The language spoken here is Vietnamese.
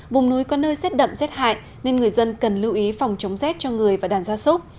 vùng núi có nơi rét đậm rét hại nên người dân cần lưu ý phòng chống rét cho người và đàn gia súc